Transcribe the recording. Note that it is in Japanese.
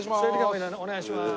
お願いしまーす！